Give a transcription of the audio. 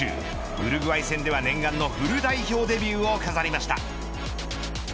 ウルグアイ戦では、念願のフル代表デビューを飾りました。